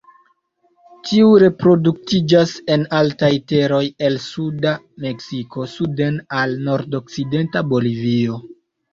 Tiu reproduktiĝas en altaj teroj el suda Meksiko suden al nordokcidenta Bolivio.